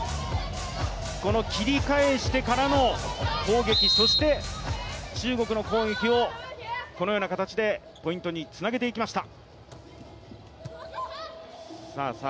この切り返してからの攻撃、そして中国の攻撃を、このような形でポイントにつなげていきました。